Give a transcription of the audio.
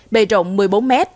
bề rộng một mươi bốn m